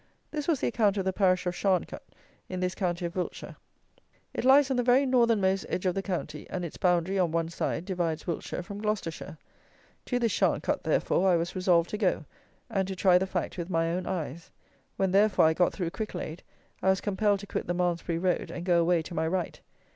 This was the account of the parish of Sharncut, in this county of Wilts. It lies on the very northermost edge of the county, and its boundary, on one side, divides Wiltshire from Gloucestershire. To this Sharncut, therefore, I was resolved to go, and to try the fact with my own eyes. When, therefore, I got through Cricklade, I was compelled to quit the Malmsbury road and go away to my right.